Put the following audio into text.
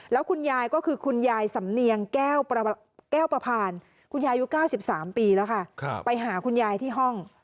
แล้วคุณยายก็คือคุณยายสำเนียงแก้วประพานคุณยายุค๙๓ปีแล้วค่ะไปหาคุณยายที่ห้อง